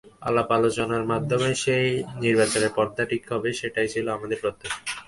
আলাপ-আলোচনার মাধ্যমে সেই নির্বাচনের পন্থাটি ঠিক হবে, সেটাই ছিল আমাদের প্রত্যাশা।